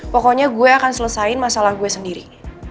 pokoknya gue akan selesaiin masalah gue sendiri